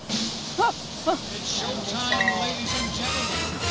あっ。